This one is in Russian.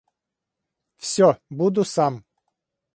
Всё буду сам.